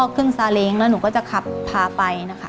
จะอุ้มพ่อเครื่องซาเลงแล้วหนูก็จะขับพาไป